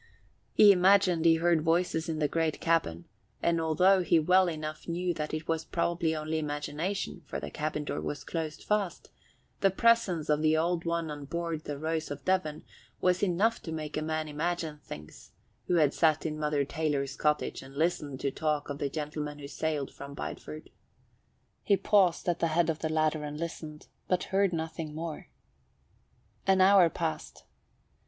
He imagined he heard voices in the great cabin, and although he well enough knew that it was probably only imagination, for the cabin door was closed fast, the presence of the Old One on board the Rose of Devon was enough to make a man imagine things, who had sat in Mother Taylor's cottage and listened to talk of the gentlemen who sailed from Bideford. He paused at the head of the ladder and listened, but heard nothing more. An hour passed.